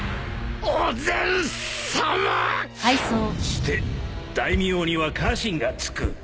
して大名には家臣がつく